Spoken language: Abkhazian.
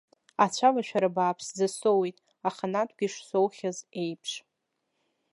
Ацәалашәара бааԥсӡа соуит, аханатәгьы ишсоухьаз еиԥш.